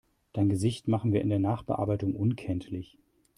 Dein Gesicht machen wir in der Nachbearbeitung unkenntlich.